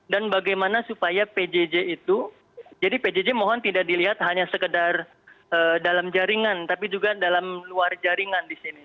dan bagaimana supaya pjj itu jadi pjj mohon tidak dilihat hanya sekedar dalam jaringan tapi juga dalam luar jaringan di sini